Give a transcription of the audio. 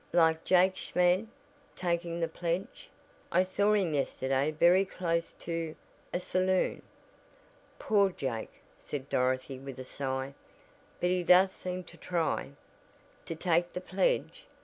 "Like Jake Schmid taking the pledge. I saw him yesterday very close to a saloon!" "Poor Jake!" said Dorothy with a sigh. "But he does seem to try " "To take the pledge?